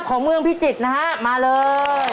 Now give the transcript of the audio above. ของเมืองพิจิตรนะฮะมาเลย